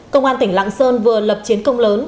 công an tỉnh lạng sơn vừa lập chiến công lớn